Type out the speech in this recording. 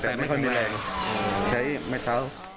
แต่ไม่ค่อยมีแรงใช้ไม่เท้า